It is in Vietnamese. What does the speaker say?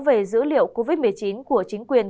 về dữ liệu covid một mươi chín của chính quyền